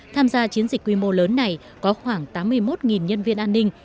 tham gia chiến dịch quy mô lớn này có khoảng tám mươi một nhân viên an ninh